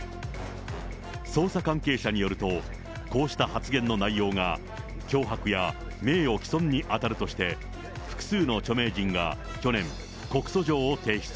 捜査関係者によると、こうした発言の内容が脅迫や名誉毀損に当たるとして、複数の著名人が去年、告訴状を提出。